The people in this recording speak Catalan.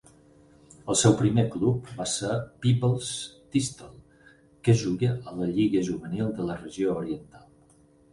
El seu primer club va ser Peebles Thistle, que juga a la lliga juvenil de la Regió Oriental.